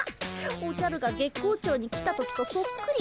おじゃるが月光町に来た時とそっくり。